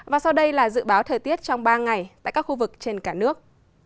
và sau đây là dự báo thời tiết trong ba ngày tại các khu vực trên cả nước